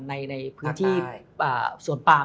ในพื้นที่สวนปาม